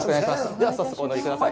では、早速、お乗りください。